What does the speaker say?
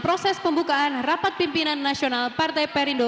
proses pembukaan rapat pimpinan nasional partai perindu dua ribu delapan belas